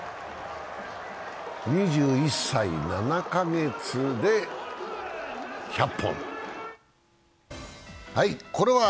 ２１歳７カ月で１００本。